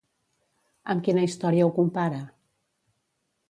Amb quina història ho compara?